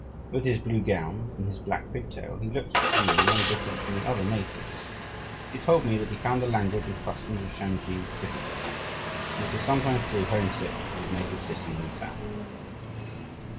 With his blue gown and his black pigtail, he looked to me no different from the other natives; but he told me that he found the language and customs of Shansi "difficult," and that he sometimes grew homesick for his native city in the South.